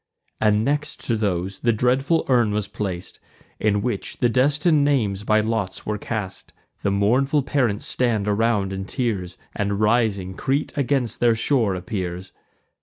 And next to those the dreadful urn was plac'd, In which the destin'd names by lots were cast: The mournful parents stand around in tears, And rising Crete against their shore appears.